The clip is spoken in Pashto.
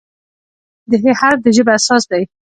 د "ه" حرف د ژبې اساس دی.